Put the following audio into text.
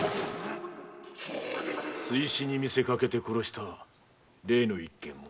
水死に見せかけて殺した例の一件も。